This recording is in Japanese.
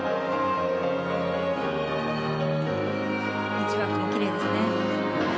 エッジワークもきれいですね。